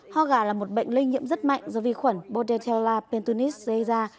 ho gà là một bệnh lây nhiễm rất mạnh do vi khuẩn bordetella pentunis siege